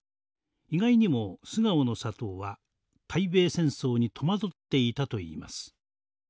意外にも素顔の佐藤は対米戦争に戸惑っていたといいます。